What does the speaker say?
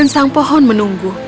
sang pohon menunggu